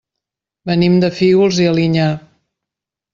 Venim de Fígols i Alinyà.